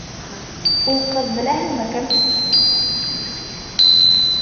Ул ҡыҙ беләһеңме кем?